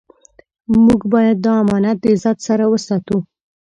موږ باید دا امانت د عزت سره وساتو.